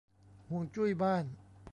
ฮวงจุ้ยบ้าน